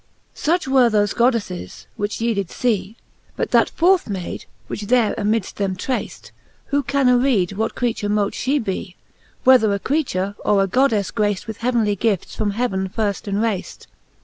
XXV. Such were thofe Goddefles, which ye did fee ; But that fourth Mayd, which there amidft them traced, Who can aread, what creature mote fhe bee, Whether a creature, or a goddefle graced With heavenly gifts from heaven firft enraced